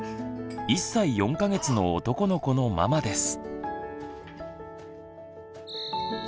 １歳４か月の男の子のママです。